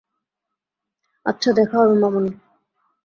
আচ্ছা, দেখা হবে, মামুনি।